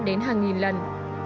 đến hàng nghìn lần